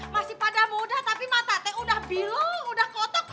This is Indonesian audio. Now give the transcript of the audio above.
masih pada muda tapi mata teh udah bilau udah kotok